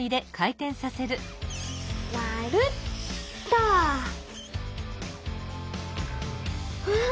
まるっと！うわ！